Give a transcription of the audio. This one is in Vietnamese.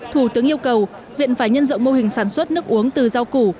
thủ tướng yêu cầu viện phải nhân dậu mô hình sản xuất nước uống từ giao củ